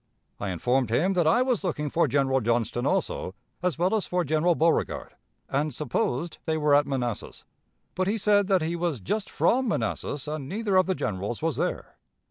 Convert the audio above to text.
I informed him that I was looking for General Johnston also, as well as for General Beauregard, and supposed they were at Manassas; but he said that he was just from Manassas, and neither of the generals was there....